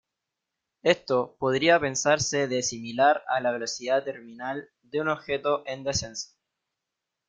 Esto podría pensarse de similar a la velocidad terminal de un objeto en descenso.